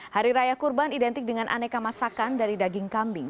hari raya kurban identik dengan aneka masakan dari daging kambing